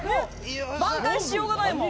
挽回しようがないもん。